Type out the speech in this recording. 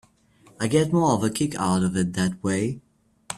I get more of a kick out of it that way.